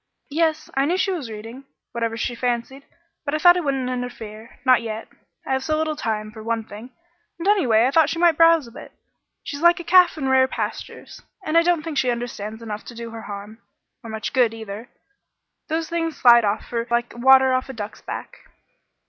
"Yes, I knew she was reading whatever she fancied, but I thought I wouldn't interfere not yet. I have so little time, for one thing, and, anyway, I thought she might browse a bit. She's like a calf in rare pastures, and I don't think she understands enough to do her harm or much good, either. Those things slide off from her like water off a duck's back."